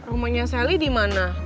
rumahnya sally di mana